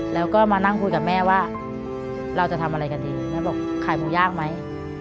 แล้วก็มานั่งคุยกับแม่ว่าเราจะทำอะไรกันดีแม่บอกขายหมูยากไหม